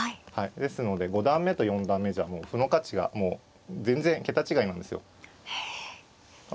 ですので五段目と四段目じゃもう歩の価値が全然桁違いなんですよ。へえ。